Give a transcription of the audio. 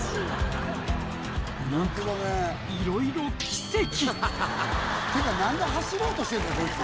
何かいろいろっていうか何で走ろうとしてんだよこいつ。